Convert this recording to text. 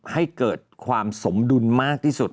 ให้เกิดความสมดุลมากที่สุด